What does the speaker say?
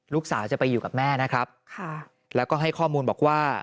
ลูกสาวจะไปอยู่กับแม่นะครับค่ะแล้วก็ให้ข้อมูลบอกว่า